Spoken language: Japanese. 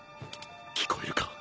聞こえるか？